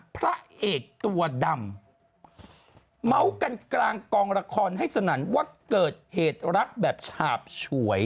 พระเอกตัวดำเมาส์กันกลางกองละครให้สนั่นว่าเกิดเหตุรักแบบฉาบฉวย